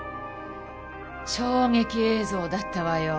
衝撃映像だったわよ。